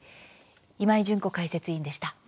今井純子解説委員でした。